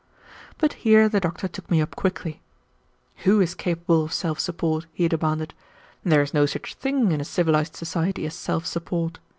But here the doctor took me up quickly. "Who is capable of self support?" he demanded. "There is no such thing in a civilized society as self support.